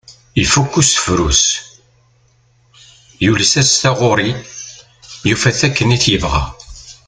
Ifukk asefru-s, yules-as taɣuri, yufa-t akken i t-yebɣa.